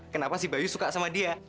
kenapa si bayu suka sama dia